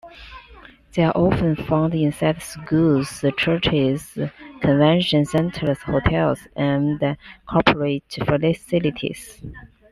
They are often found inside schools, churches, convention centers, hotels, and corporate facilities.